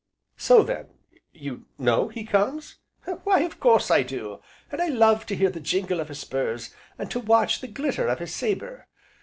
"So then you know he comes?" "Why of course I do. And I love to hear the jingle of his spurs, and to watch the glitter of his sabre.